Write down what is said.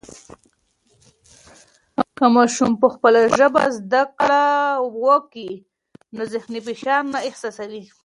که ماشوم په خپله ژبه زده کړه و کي نو ذهني فشار نه احساسوي.